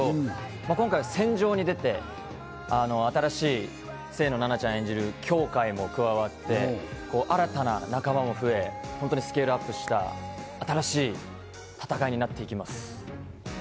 今回、戦場に出て新しい清野菜名ちゃん演じる羌カイも加わって、新たな仲間も増え、スケールアップした新しい戦いになっていきます。